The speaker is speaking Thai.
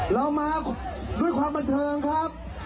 เรามาด้วยความบันเทิงครับ